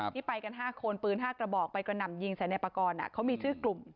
ที่ไปกัน๕คนปืน๕กระบอกไปกระหน่ำยิงใส่ในปากรเขามีชื่อกลุ่ม